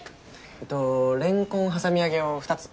えっとレンコン挟み揚げを２つ。